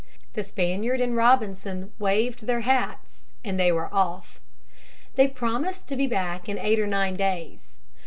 The Spaniard and Robinson waved their hats and they were off. They promised to be back in eight or nine days.